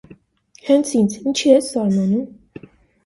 - Հենց ինձ, ինչի՞ ես զարմանում: